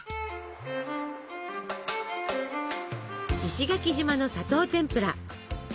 石垣島の砂糖てんぷら。